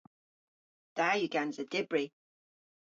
Da yw gansa dybri!